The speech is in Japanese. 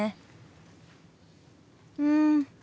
うん。